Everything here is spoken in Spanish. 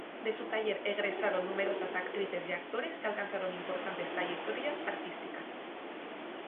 De su taller egresaron numerosas actrices y actores que alcanzaron importantes trayectorias artísticas.